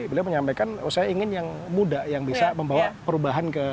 beliau menyampaikan oh saya ingin yang muda yang bisa membawa perubahan ke